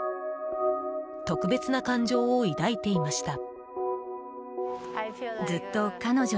特別な感情を抱いていました。